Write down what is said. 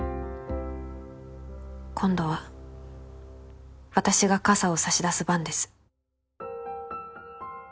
「今度は私が傘を差し出す番です」